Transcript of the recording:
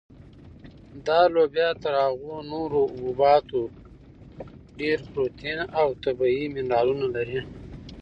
دا لوبیا تر هغو نورو حبوباتو ډېر پروټین او طبیعي منرالونه لري.